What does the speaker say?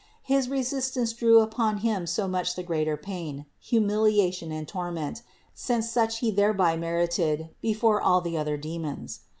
His resistance drew upon him so much the greater pain, humiliation and torment, since such he thereby merited before all the other demons.